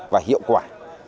và hiệu quả